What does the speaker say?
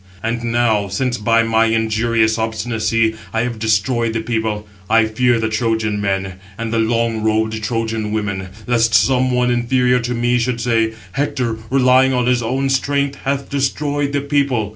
And now, since by my injurious obstinacy I have destroyed the people, I fear the Trojan men, and the long robed Trojan women, lest some one inferior to me should say, 'Hector, relying on his own strength, has destroyed the people.